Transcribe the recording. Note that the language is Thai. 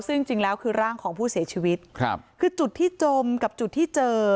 ซึ่งจริงแล้วคือร่างของผู้เสียชีวิตครับคือจุดที่จมกับจุดที่เจอ